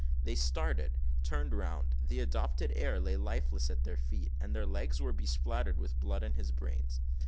They started turned round the adopted heir lay lifeless at their feet, and their legs were bespattered with his blood and his brains.